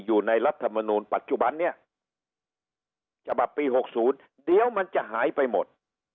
อยู่ในรัฐมนูลปัจจุบันเนี่ยฉบับปีหกศูนย์เดี๋ยวมันจะหายไปหมด